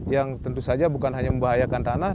yang tentu saja bukan hanya membahayakan tanah